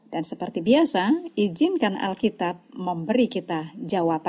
dan seperti biasa izinkan alkitab memberikan kita alat alat yang segar dalam pikiran kita